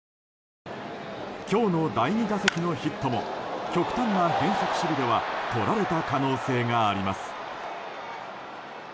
今日の第２打席のヒットも極端な変則守備ではとられた可能性があります。